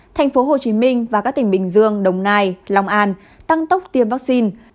tp hcm và các tỉnh bình dương đồng nai long an tăng tốc tiêm vaccine